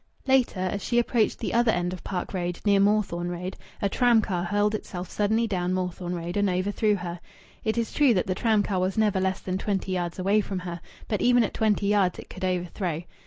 Later, as she approached the other end of Park Road, near Moorthorne Road, a tram car hurled itself suddenly down Moorthorne Road and overthrew her. It is true that the tram car was never less than twenty yards away from her. But even at twenty yards it could overthrow.